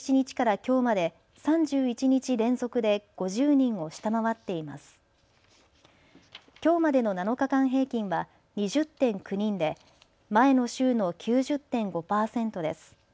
きょうまでの７日間平均は２０．９人で前の週の９０．５％です。